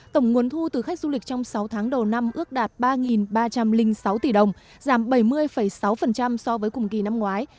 tổng nguồn thu từ khách du lịch trong sáu tháng đầu năm ước đạt ba ba trăm linh sáu tỷ đồng giảm bảy mươi sáu so với cùng kỳ năm ngoái